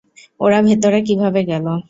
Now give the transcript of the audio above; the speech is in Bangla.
ওরা ভেতরে কীভাবে গেলো?